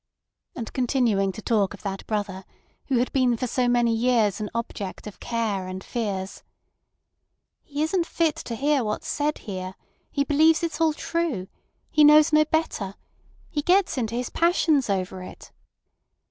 And continuing to talk of that brother, who had been for so many years an object of care and fears: "He isn't fit to hear what's said here. He believes it's all true. He knows no better. He gets into his passions over it."